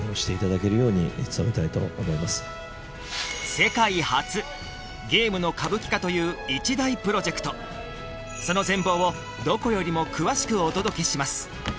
世界初ゲームの歌舞伎化という一大プロジェクトその全貌をどこよりも詳しくお届けします